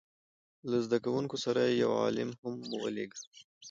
له زده کوونکو سره یې یو عالم هم ولېږه.